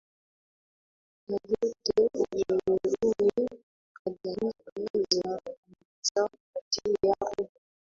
cha joto ulimwenguni Kadhalika zinapunguza kwa njia kubwa